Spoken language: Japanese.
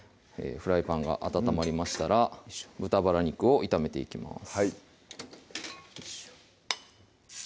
フライパンが温まりましたら豚バラ肉を炒めていきます